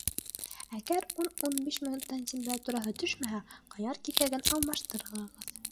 Әгәр ун-ун биш минуттан температураһы төшмәһә, ҡыяр киҫәген алмаштырығыҙ.